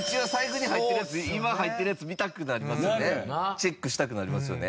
チェックしたくなりますよね。